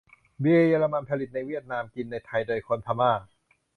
เบียร์เยอรมัน ผลิตในเวียดนาม กินในไทย โดยคนพม่า